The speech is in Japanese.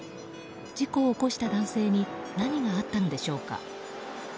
事故を起こした男性に何があったのでしょうか。